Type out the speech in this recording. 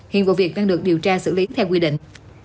hiện vụ việc đang được điều tra xử lý theo quy định